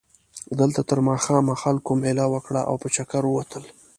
دلته تر ماښامه خلکو مېله وکړه او په چکر ووتل.